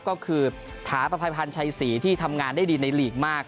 ก็คือถาประภัยพันธ์ชัยศรีที่ทำงานได้ดีในหลีกมาก